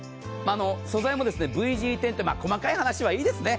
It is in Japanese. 素材もＶＧ１０って細かい話はいいですね。